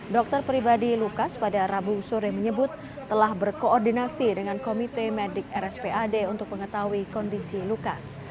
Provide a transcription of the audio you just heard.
dokter pribadi lukas pada rabu sore menyebut telah berkoordinasi dengan komite medik rspad untuk mengetahui kondisi lukas